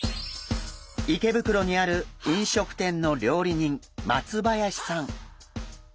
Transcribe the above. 池袋にある飲食店の料理人松林さん。